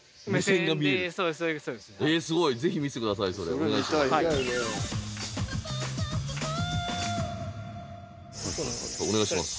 お願いします。